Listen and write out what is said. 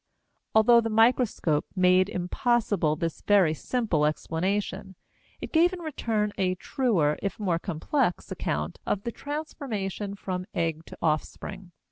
Although the microscope made impossible this very simple explanation, it gave in return a truer, if more complex, account of the transformation from egg to offspring.